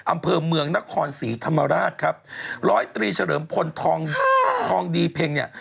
อำเภอเมืองนครศรีธรรมราชครับร้อยตรีเฉลิมพลทองทองดีเพ็งเนี่ย